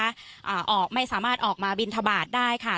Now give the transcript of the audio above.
อ่าออกไม่สามารถออกมาบินทบาทได้ค่ะ